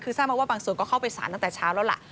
คือทราบมาว่าบางส่วนก็เข้าไปสารตั้งแต่เช้าแล้วล่ะ